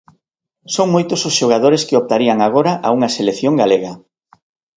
Son moitos os xogadores que optarían agora a unha selección galega.